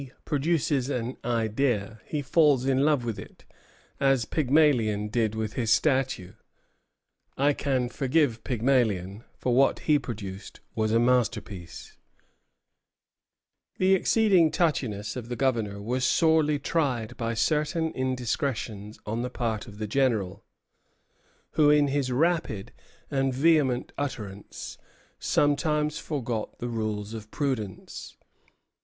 produces an idea he falls in love with it, as Pygmalion did with his statue. I can forgive Pygmalion, for what he produced was a masterpiece." Bougainville à Saint Laurens, 19 Août, 1757. Bougainville, Journal. The exceeding touchiness of the Governor was sorely tried by certain indiscretions on the part of the General, who in his rapid and vehement utterances sometimes forgot the rules of prudence.